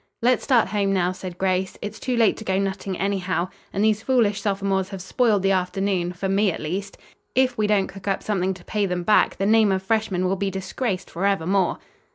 "Let's start home, now," said Grace. "It's too late to go nutting anyhow, and these foolish sophomores have spoiled the afternoon, for me at least. If we don't cook up something to pay them back, the name of freshman will be disgraced forever more."